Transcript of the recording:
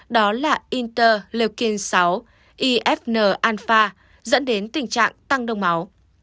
đó là interleukin sáu ifn alpha dẫn đến tình trạng tăng đông máu